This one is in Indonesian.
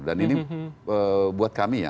dan ini buat kami ya